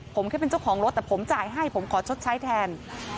ผมแค่เป็นเจ้าของรถแต่ผมจ่ายให้ผมขอชดใช้แทน